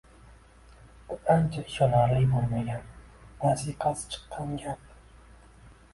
Bu uncha ishonchli boʻlmagan va siyqasi chiqqan gap